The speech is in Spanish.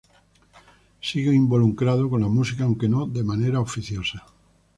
Sigue involucrado con la música, aunque no de manera oficiosa.